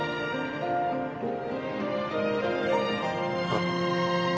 あっ。